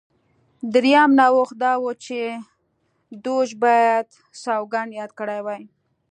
درېیم نوښت دا و چې دوج باید سوګند یاد کړی وای